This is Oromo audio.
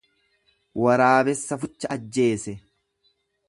Waraabessa fucha ajjeese.